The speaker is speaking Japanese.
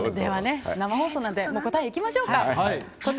生放送なので答えにいきましょうか。